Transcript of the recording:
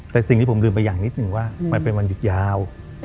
แต่สิ่งที่ผมลืมไปอย่างนิดนึงว่ามันเป็นวันหยุดยาว